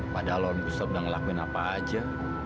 padahal om gustaf udah ngelakuin apa aja